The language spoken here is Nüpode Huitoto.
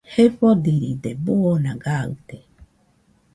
Jefodiride, buu oona gaɨte